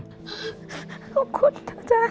ขอบคุณจ้ะจ้าน